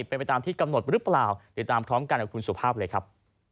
เป็นไปตามที่กำหนดหรือเปล่าติดตามพร้อมกันกับคุณสุภาพเลยครับ